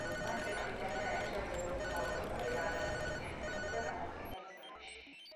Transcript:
მან სიყრმიდანვე აირჩია ბერული ცხოვრება, ბევრი დააყენა ქრისტიანულ გზაზე და განამტკიცა რწმენაში.